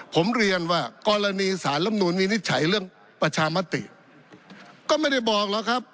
ผมเรียนว่ากรณีสารลำนูนวินิจฉัยเรื่องประชามติก็ไม่ได้บอกหรอกครับ